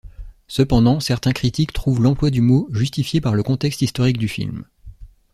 Cependant, certains critiques trouvent l'emploi du mot justifié par le contexte historique du film.